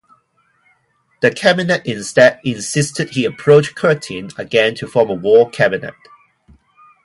The Cabinet instead insisted he approach Curtin again to form a war cabinet.